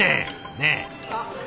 ねえ！